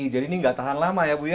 jadi ini enggak tahan lama ya bu ya